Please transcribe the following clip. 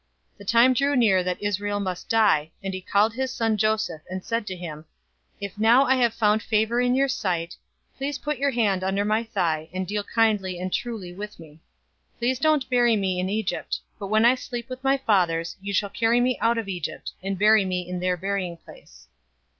047:029 The time drew near that Israel must die, and he called his son Joseph, and said to him, "If now I have found favor in your sight, please put your hand under my thigh, and deal kindly and truly with me. Please don't bury me in Egypt, 047:030 but when I sleep with my fathers, you shall carry me out of Egypt, and bury me in their burying place."